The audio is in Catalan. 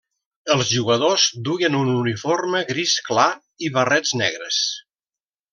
Els jugadors duien un uniforme gris clar i barrets negres.